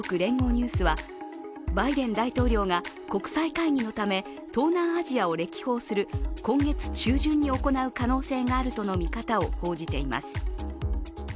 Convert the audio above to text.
ニュースはバイデン大統領が国際会議のため東南アジアを歴訪する今月中旬に行う可能性があるとの見方を報じています。